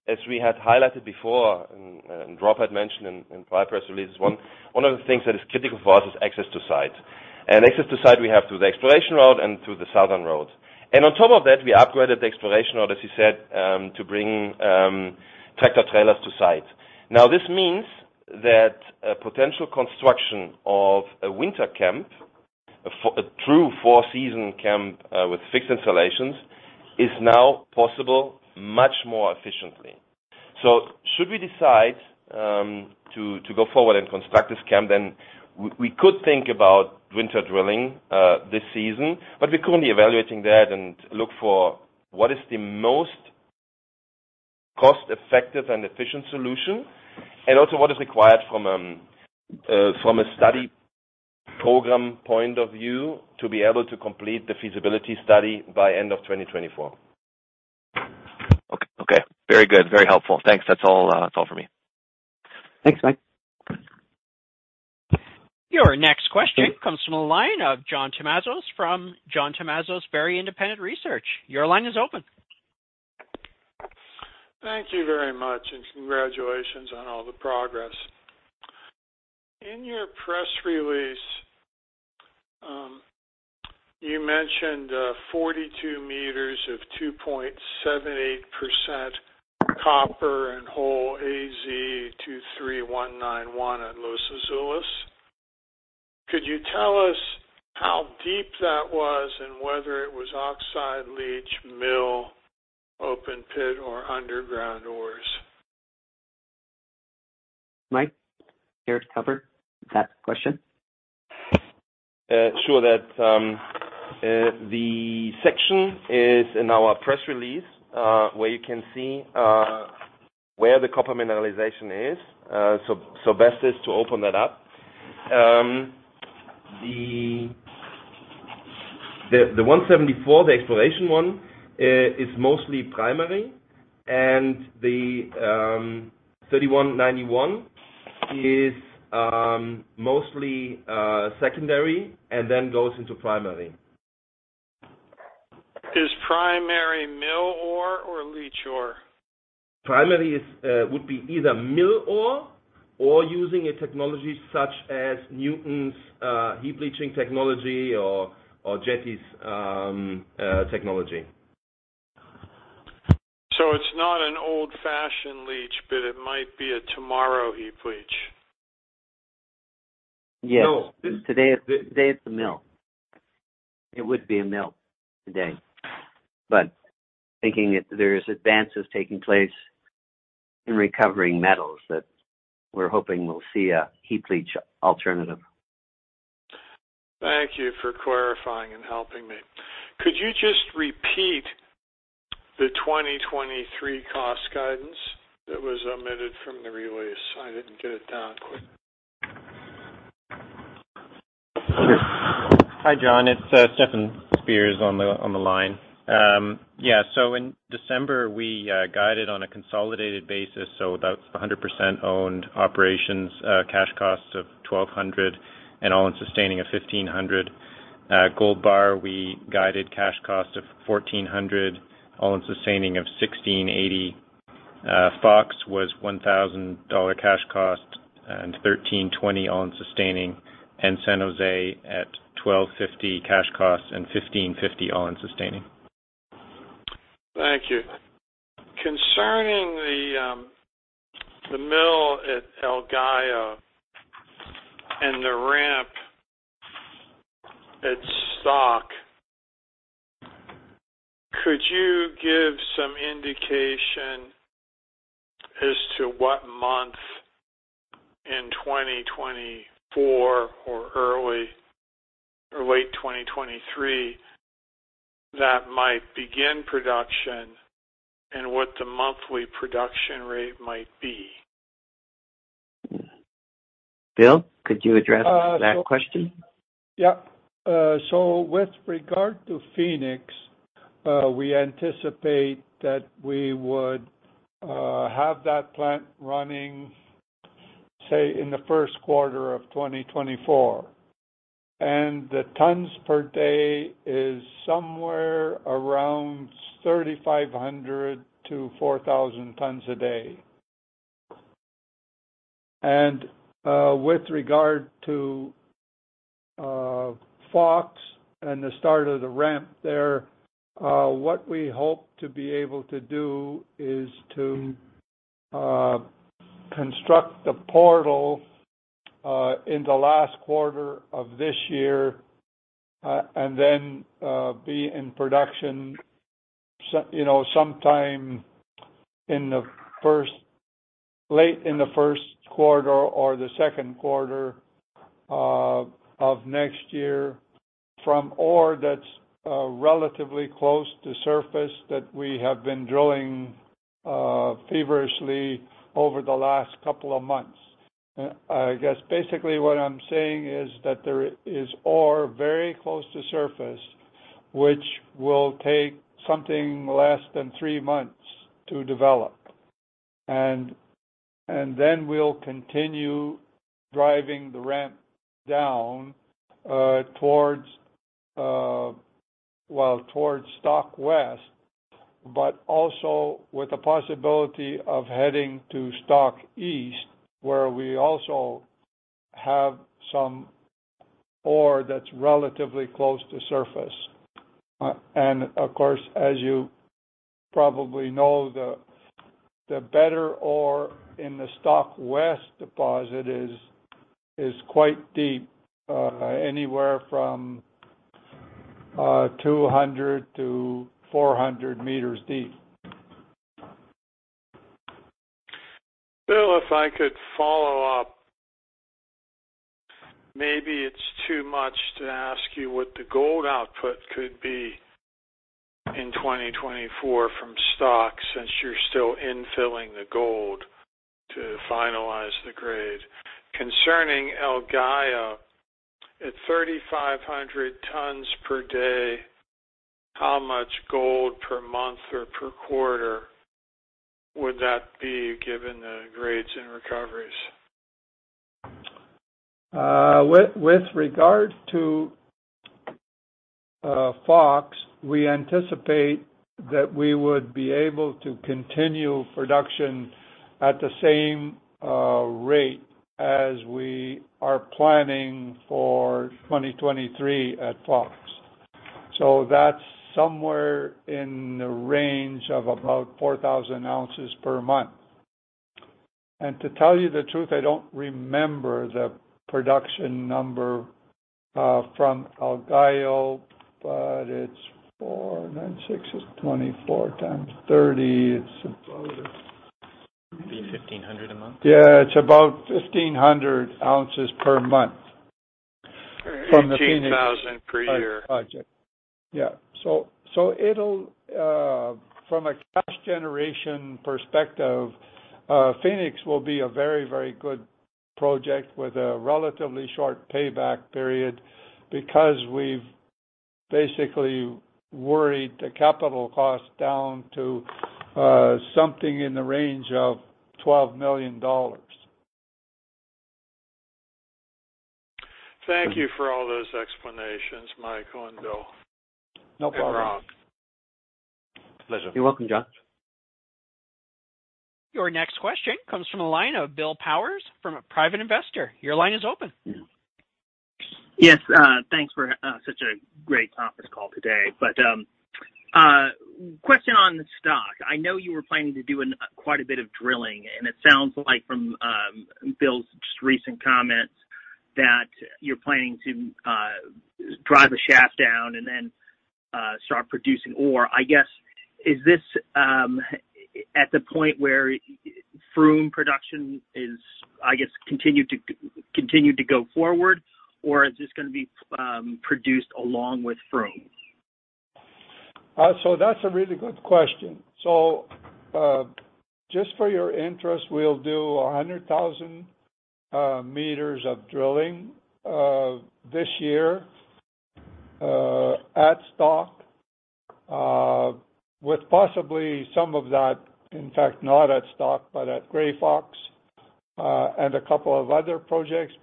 As we had highlighted before, and Rob had mentioned in prior press releases, one of the things that is critical for us is access to site. Access to site we have through the exploration road and through the southern road. On top of that, we upgraded the exploration road, as you said, to bring tractor-trailers to site. Now, this means that a potential construction of a winter camp, a true four-season camp, with fixed installations, is now possible much more efficiently. Should we decide to go forward and construct this camp, then we could think about winter drilling this season, but we're currently evaluating that and look for what is the most cost-effective and efficient solution and also what is required from a study program point of view to be able to complete the feasibility study by end of 2024. Okay. Very good. Very helpful. Thanks. That's all, that's all for me. Thanks, Mike. Your next question comes from the line of John Tumazos from John Tumazos Very Independent Research. Your line is open. Thank you very much, and congratulations on all the progress. In your press release, you mentioned, 42 meters of 2.78% copper and hole AZ23191 at Los Azules. Could you tell us how deep that was and whether it was oxide leach, mill, open pit or underground ores? Mike, care to cover that question? Sure that the section is in our press release, where you can see where the copper mineralization is. Best is to open that up. The 174, the exploration one, is mostly primary, and the 3191 is mostly secondary and then goes into primary. Is primary mill ore or leach ore? Primary is, would be either mill ore or using a technology such as Nuton's, heap leaching technology or Jetti's, technology. It's not an old-fashioned leach, but it might be a tomorrow heap leach. Yes. Today, it's a mill. It would be a mill today. Thinking it, there's advances taking place in recovering metals that we're hoping we'll see a heap leach alternative. Thank you for clarifying and helping me. Could you just repeat the 2023 cost guidance that was omitted from the release? I didn't get it down quick. Sure. Hi, John. It's Stefan Spears on the line. In December we guided on a consolidated basis, so that's 100% owned operations, cash costs of $1,200 and All-in sustaining of $1,500. Gold Bar, we guided cash cost of $1,400, All-in sustaining of $1,680. Fox was $1,000 cash cost and $1,320 All-in sustaining, San José at $1,250 cash costs and $1,550 All-in sustaining. Thank you. Concerning the mill at El Gallo and the ramp at Stock, could you give some indication as to what month in 2024 or early or late 2023 that might begin production and what the monthly production rate might be? Bill, could you address that question? With regard to Fenix, we anticipate that we would have that plant running, say in the first quarter of 2024. The tons per day is somewhere around 3,500 to 4,000 tons a day. With regard to Fox and the start of the ramp there, what we hope to be able to do is to construct the portal in the last quarter of this year, and then be in production so, you know, sometime in the first, late in the first quarter or the second quarter of next year from ore that's relatively close to surface that we have been drilling feverishly over the last couple of months. I guess basically what I'm saying is that there is ore very close to surface, which will take something less than three months to develop. Then we'll continue driving the ramp down, towards, well, towards Stock West, but also with the possibility of heading to Stock East, where we also have some ore that's relatively close to surface. Of course, as you probably know, the better ore in the Stock West deposit is quite deep, anywhere from 200-400 meters deep. Bill, if I could follow up. Maybe it's too much to ask you what the gold output could be in 2024 from Stock since you're still infilling the gold to finalize the grade. Concerning El Gallo, at 3,500 tons per day, how much gold per month or per quarter would that be given the grades and recoveries? With regard to Fox, we anticipate that we would be able to continue production at the same rate as we are planning for 2023 at Fox. That's somewhere in the range of about 4,000 ounces per month. To tell you the truth, I don't remember the production number from El Gallo, it's 4.6, it's 24x30. It'd be $1,500 a month. Yeah, it's about 1,500 ounces per month from the Fenix. 18,000 per year. Project. Yeah. It'll From a cash generation perspective, Fenix will be a very, very good project with a relatively short payback period because we've basically worried the capital costs down to something in the range of $12 million. Thank you for all those explanations, Mike and Bill. No problem. Rob. Pleasure. You're welcome, John. Your next question comes from the line of Bill Powers from a private investor. Your line is open. Yes. Thanks for such a great conference call today. Question on the Stock. I know you were planning to do quite a bit of drilling, and it sounds like from Bill's recent comments that you're planning to drive a shaft down and then start producing ore. I guess, is this at the point where Froome production is, I guess, continue to go forward, or is this gonna be produced along with Froome? That's a really good question. Just for your interest, we'll do 100,000 meters of drilling this year at Stock, with possibly some of that, in fact, not at Stock, but at Gray Fox, and a couple of other projects,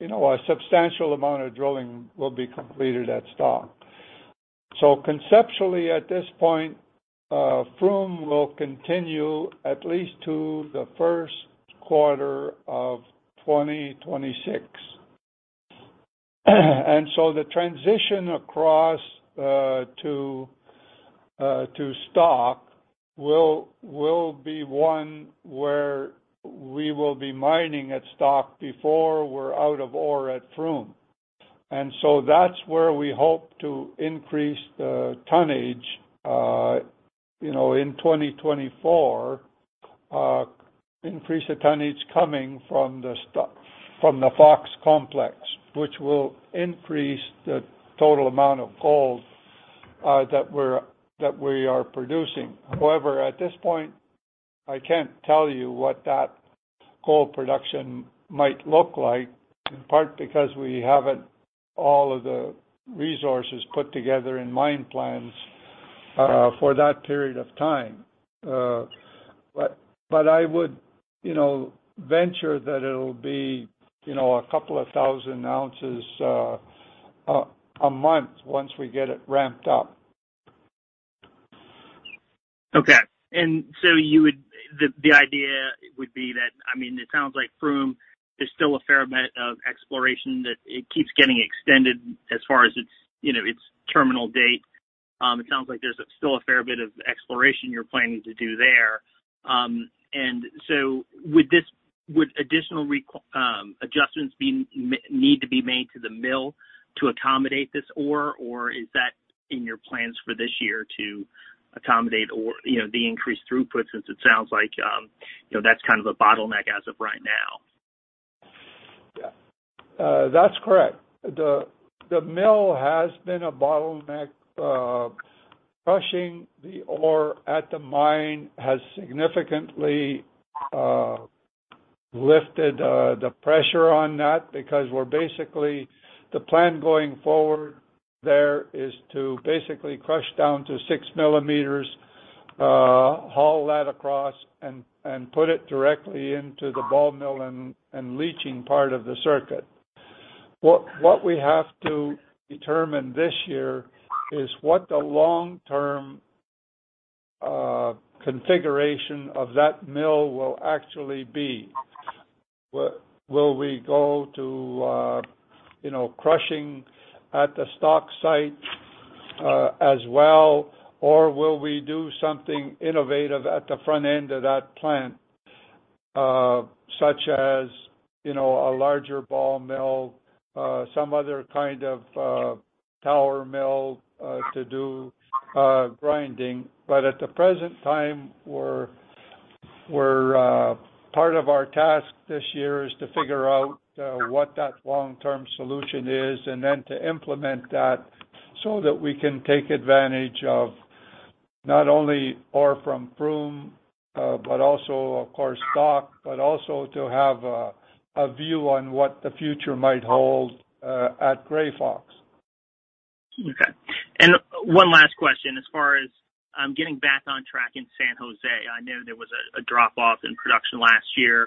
you know, a substantial amount of drilling will be completed at Stock. Conceptually, at this point, Froome will continue at least to the first quarter of 2026. The transition across to Stock will be one where we will be mining at Stock before we're out of ore at Froome. That's where we hope to increase the tonnage, you know, in 2024, increase the tonnage coming from the Fox Complex, which will increase the total amount of gold that we are producing. However, at this point, I can't tell you what that gold production might look like, in part because we haven't all of the resources put together in mine plans, for that period of time. I would, you know, venture that it'll be, you know, a couple of thousand ounces a month once we get it ramped up. Okay. The idea would be that, I mean, it sounds like Froome, there's still a fair amount of exploration that it keeps getting extended as far as its, you know, its terminal date. It sounds like there's still a fair bit of exploration you're planning to do there. Would additional adjustments be need to be made to the mill to accommodate this ore, or is that in your plans for this year to accommodate or, you know, the increased throughput, since it sounds like, you know, that's kind of a bottleneck as of right now? Yeah. That's correct. The mill has been a bottleneck. Crushing the ore at the mine has significantly lifted the pressure on that because we're basically. The plan going forward there is to basically crush down to 6 millimeters, haul that across and put it directly into the ball mill and leaching part of the circuit. What we have to determine this year is what the long-term configuration of that mill will actually be. Will we go to, you know, crushing at the Stock site as well, or will we do something innovative at the front end of that plant, such as, you know, a larger ball mill, some other kind of tower mill to do grinding. At the present time, we're. Part of our task this year is to figure out, what that long-term solution is and then to implement that so that we can take advantage of not only ore from Froome, but also, of course, Stock, but also to have a view on what the future might hold, at Gray Fox. Okay. One last question, as far as getting back on track in San José, I know there was a drop off in production last year.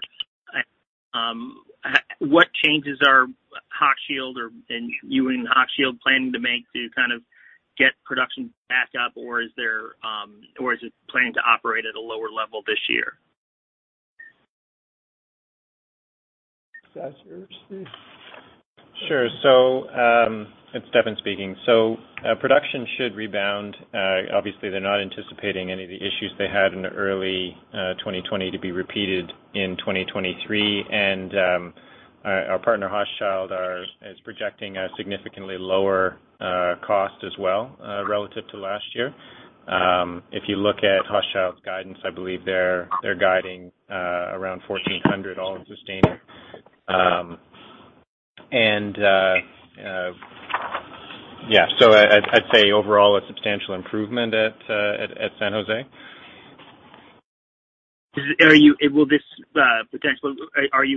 What changes are Hochschild or, and you and Hochschild planning to make to kind of get production back up, or is there, or is it planning to operate at a lower level this year? Sure. It's Devon speaking. Production should rebound. Obviously they're not anticipating any of the issues they had in early 2020 to be repeated in 2023. Our partner Hochschild is projecting a significantly lower cost as well relative to last year. If you look at Hochschild's guidance, I believe they're guiding around $1,400 all-in sustaining. Yeah. I'd say overall a substantial improvement at San José. Are you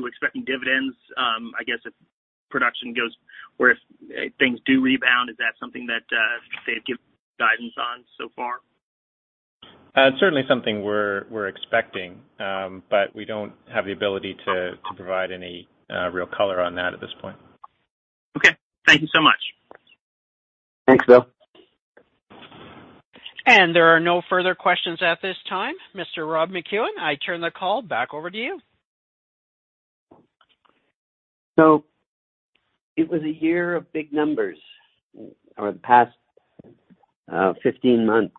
expecting dividends, I guess if production or if things do rebound, is that something that, they've given guidance on so far? It's certainly something we're expecting, but we don't have the ability to provide any real color on that at this point. Okay. Thank you so much. Thanks, Bill. There are no further questions at this time. Mr. Rob McEwen, I turn the call back over to you. It was a year of big numbers over the past 15 months.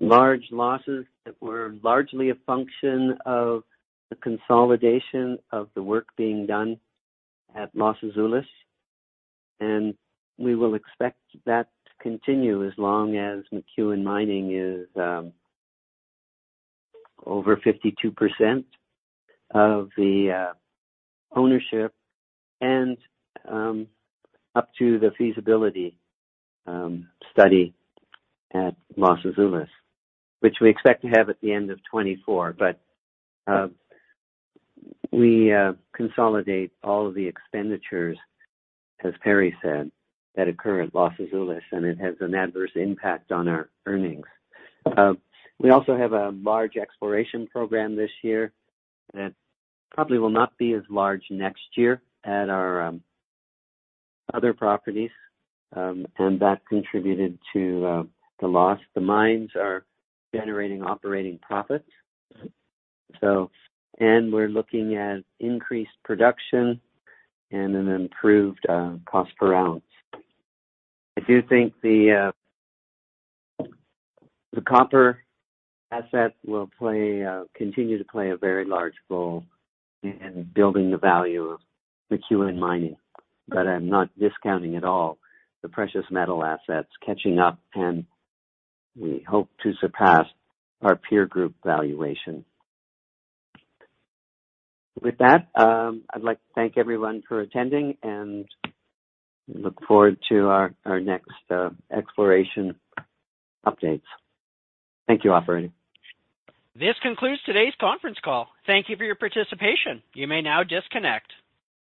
Large losses that were largely a function of the consolidation of the work being done at Los Azules, and we will expect that to continue as long as McEwen Mining is over 52% of the ownership and up to the feasibility study at Los Azules, which we expect to have at the end of 2024. We consolidate all of the expenditures, as Perry said, that occur at Los Azules, and it has an adverse impact on our earnings. We also have a large exploration program this year that probably will not be as large next year at our other properties, and that contributed to the loss. The mines are generating operating profits. We're looking at increased production and an improved cost per ounce. I do think the copper asset will continue to play a very large role in building the value of McEwen Mining, but I'm not discounting at all the precious metal assets catching up, and we hope to surpass our peer group valuation. With that, I'd like to thank everyone for attending, and we look forward to our next exploration updates. Thank you, operator. This concludes today's conference call. Thank you for your participation. You may now disconnect.